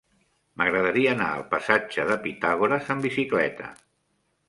M'agradaria anar al passatge de Pitàgores amb bicicleta.